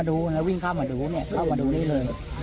เลยวิ่งข้ามมาดูลิ่งอันนี้เลย